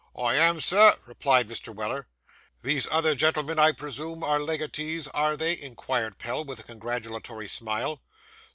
'I am, sir,' replied Mr. Weller. 'These other gentlemen, I presume, are legatees, are they?' inquired Pell, with a congratulatory smile.